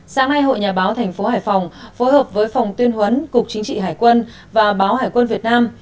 sáng nay hội nhà báo tp hải phòng phối hợp với phòng tuyên huấn cục chính trị hải quân và báo hải quân việt nam